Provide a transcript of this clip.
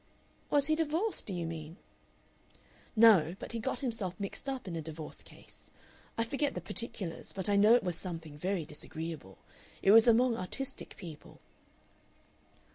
"Was he divorced, do you mean?" "No, but he got himself mixed up in a divorce case. I forget the particulars, but I know it was something very disagreeable. It was among artistic people."